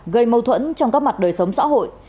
gây mâu thuẫn trong các mặt đời sống xã hội